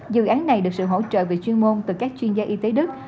dự án này được sự hỗ trợ về chuyên môn từ các chuyên gia y tế đức